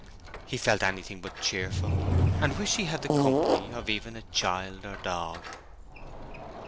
He felt anything but cheerful, and wished he had the company even of a child or dog.